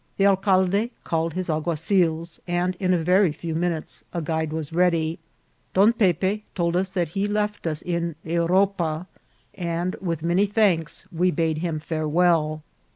The alcalde called his»alguazils, and in a very few minutes a guide was ready. Don Pepe told us that he left us in Europa, and with many thanks we bade him farewell.